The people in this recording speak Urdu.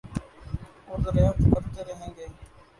اوردریافت کرتے رہیں گے